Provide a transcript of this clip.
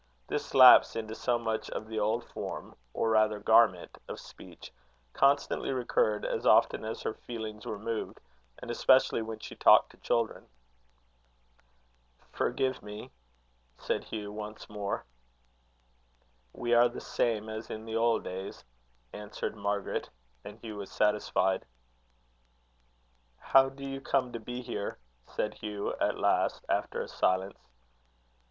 This lapse into so much of the old form, or rather garment, of speech, constantly recurred, as often as her feelings were moved, and especially when she talked to children. "Forgive me," said Hugh, once more. "We are the same as in the old days," answered Margaret; and Hugh was satisfied. "How do you come to be here?" said Hugh, at last, after a silence.